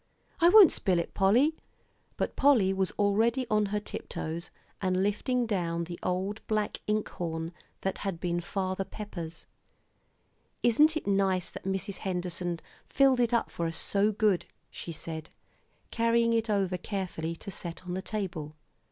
"I won't spill it, Polly" but Polly was already on her tiptoes, and lifting down the old black ink horn that had been Father Pepper's. "Isn't it nice that Mrs. Henderson filled it up for us so good?" she said, carrying it over carefully to set on the table.